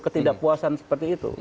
ketidakpuasan seperti itu